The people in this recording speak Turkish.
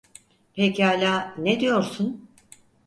Pekala, ne diyorsun?